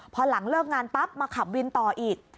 พอหลังเลิกงานปั๊บมาขับวินต่ออีก